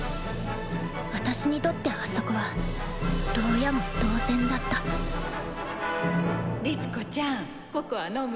私にとってあそこは牢屋も同然だった律子ちゃんココア飲む？